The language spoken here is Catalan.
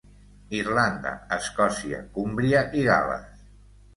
Irlanda, Escòcia, Cúmbria i Gal·les.